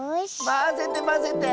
まぜてまぜて！